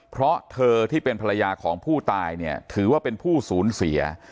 เพราะเธอที่เป็นภรรยาของผู้ตายเนี่ยถือว่าเป็นผู้สูญเสีย